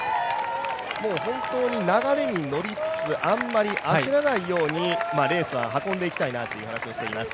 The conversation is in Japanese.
もう流れに乗りつつあまり焦らないように、レースは運んでいきたいなという話をしています。